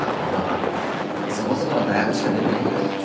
俺はほらそこそこの大学しか出てないから。